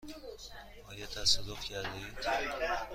آیا تصادف کرده اید؟